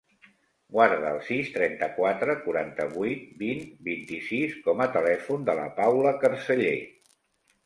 Guarda el sis, trenta-quatre, quaranta-vuit, vint, vint-i-sis com a telèfon de la Paula Carceller.